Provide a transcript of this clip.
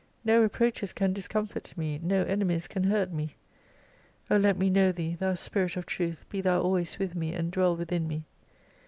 No reproaches can discomfort me, no enemies can hurt me. O let me know Thee Thou Spirit of Truth, be Thou always with me, and dwell within me.